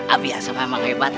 abiasa memang hebat